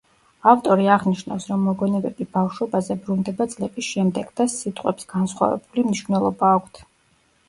ავტორი აღნიშნავს, რომ მოგონებები ბავშვობაზე ბრუნდება წლების შემდეგ და სიტყვებს „განსხვავებული მნიშვნელობა აქვთ“.